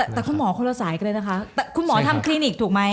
แต่คุณหมอคนละสายกันเลยนะคะแต่คุณหมอทำคลินิกถูกไหม